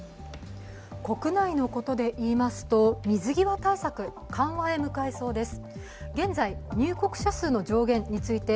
国内のことでいいますと、水際対策、緩和へ向かいそうです。